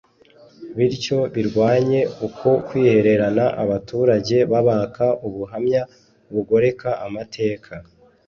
bityo birwanye uku kwihererana abaturage babaka ubuhamya bugoreka amateka